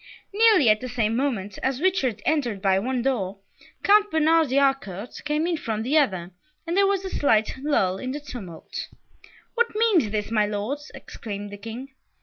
Nearly at the same moment as Richard entered by one door, Count Bernard de Harcourt came in from the other, and there was a slight lull in the tumult. "What means this, my Lords?" exclaimed the King.